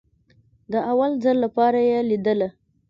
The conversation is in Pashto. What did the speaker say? د اول ځل لپاره يې ليدله.